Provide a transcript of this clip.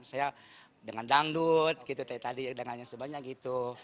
saya dengan dangdut gitu tadi dengannya sebanyak gitu